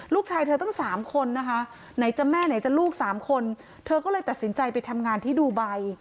ลูกชายเธอตั้งสามคนนะคะไหนจะแม่ไหนจะลูกสามคนเธอก็เลยตัดสินใจไปทำงานที่ดูไบ